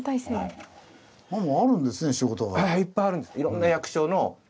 いっぱいあるんです。